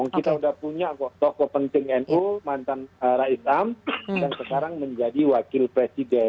kita sudah punya kok tokoh penting nu mantan rais am dan sekarang menjadi wakil presiden